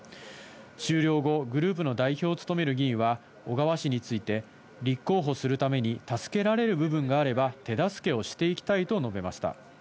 終了後、グループの代表を務める議員は小川氏について、立候補するために助けられる部分があれば、手助けをしていきたいと述べました。